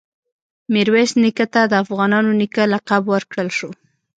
میرویس نیکه ته د “افغانانو نیکه” لقب ورکړل شو.